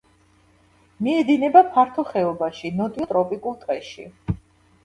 მიედინება ფართო ხეობაში, ნოტიო ტროპიკულ ტყეში.